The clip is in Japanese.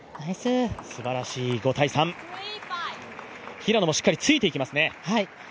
平野もしっかりついていきますね。